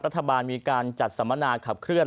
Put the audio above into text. รัฐบาลมีการจัดสัมมนาขับเคลื